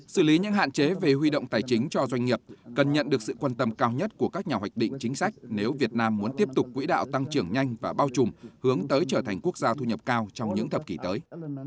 xử lý những hạn chế về huy động tài chính cho doanh nghiệp cần nhận được sự quan tâm cao nhất của các nhà hoạch định chính sách nếu việt nam muốn tiếp tục quỹ đạo tăng trưởng nhanh và bao trùm hướng tới trở thành quốc gia thu nhập cao trong những thập kỷ tới